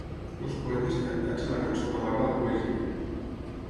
Els poemes cantats i la cançó que amaga la poesia.